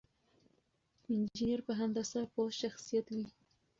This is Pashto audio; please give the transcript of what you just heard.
انجينر په هندسه پوه شخصيت وي.